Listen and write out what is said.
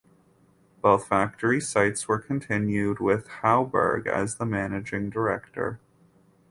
Both factory sites were continued with Hauberg as the managing director.